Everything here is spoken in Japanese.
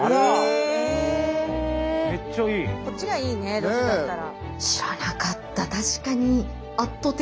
こっちがいいねどっちかって言ったら。